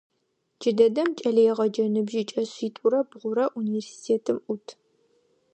Джыдэдэм кӏэлэегъэджэ ныбжьыкӏэ шъитӏурэ бгъурэ университетым ӏут.